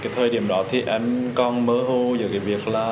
thời điểm đó thì em còn mơ hô về việc là